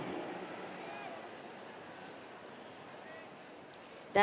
nah itu nanti kemana mana harus diomongkan